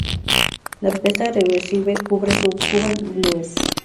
La Orquesta Riverside cubre su "Cuban Blues".